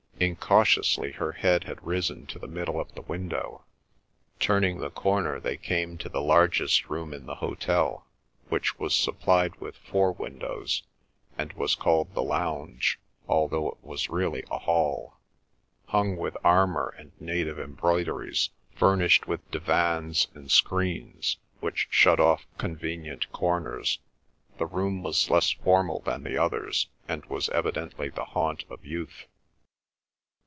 Incautiously her head had risen to the middle of the window. Turning the corner they came to the largest room in the hotel, which was supplied with four windows, and was called the Lounge, although it was really a hall. Hung with armour and native embroideries, furnished with divans and screens, which shut off convenient corners, the room was less formal than the others, and was evidently the haunt of youth.